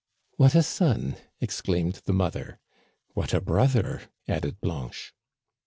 "What a son !" exclaimed the mother. "What a brother !" added Blanche.